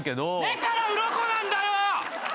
目からうろこなんだよ。